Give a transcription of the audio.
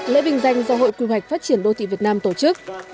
lễ vinh danh do hội quy hoạch phát triển đô thị việt nam tổ chức